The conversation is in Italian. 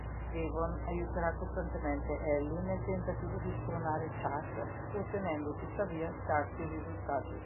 Devon aiuterà costantemente Ellie nel tentativo di spronare Chuck, ottenendo tuttavia scarsi risultati.